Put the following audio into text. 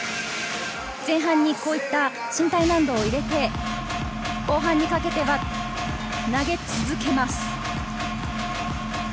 前半にこういった身体難度を入れて後半にかけては投げ続けます。